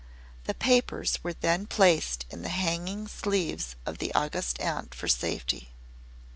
The papers were then placed in the hanging sleeves of the August Aunt for safety.